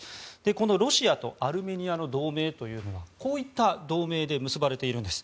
このロシアとアルメニアの同盟というのはこういった同盟で結ばれているんです。